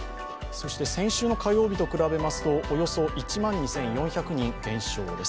先週の火曜日と比べますとおよそ１万２４００人減少です。